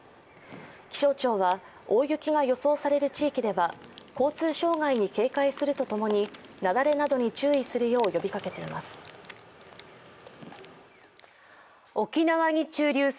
気象庁は大雪が予想される地域では交通障害に注意するとともに雪崩などに注意するよう呼びかけています。